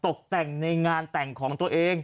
ตกแต่งในงานแต่งของตัวเอง